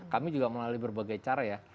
kami juga melalui berbagai cara ya